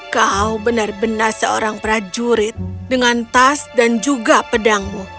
kau benar benar seorang prajurit dengan tas dan juga pedangmu